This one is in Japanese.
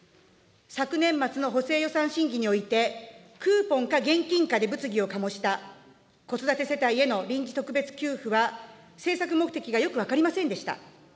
昨年末の補正予算審議において、クーポンか現金かで物議を醸した、子育て世帯への臨時特別給付は、政策目的がよく分かりませんでした。